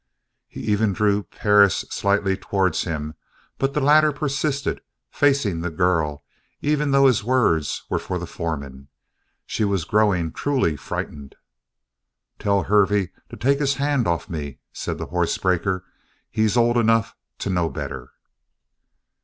He even drew Perris slightly towards him, but the latter persisted facing the girl even though his words were for the foreman. She was growing truly frightened. "Tell Hervey to take his hand off me," said the horse breaker. "He's old enough to know better!"